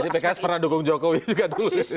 jadi pks pernah dukung jokowi juga dulu